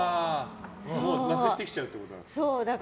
なくしてきちゃうってことですか。